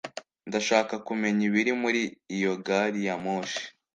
Ndashaka kumenya ibiri muri iyo gari ya moshi.